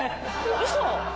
ウソ。